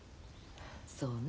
そうね。